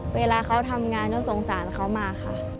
เวลาเขาทำงานก็สงสารเขามากค่ะ